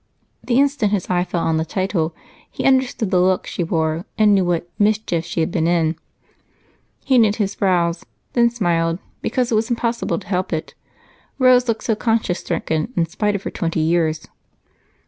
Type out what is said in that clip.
The instant his eye fell on the title he understood the look she wore and knew what "mischief" she had been in. He knit his brows, then smiled, because it was impossible to help it Rose looked so conscience stricken in spite of her twenty years.